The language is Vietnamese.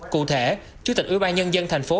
cụ thể chủ tịch ủy ban nhân dân thành phố